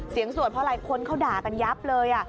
สวดเพราะอะไรคนเขาด่ากันยับเลย